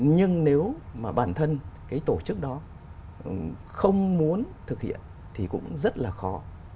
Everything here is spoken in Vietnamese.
nhưng nếu mà bản thân cái tổ chức đó không muốn thực hiện thì cũng rất là khó